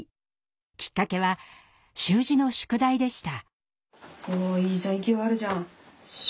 きっかけは習字の宿題でした。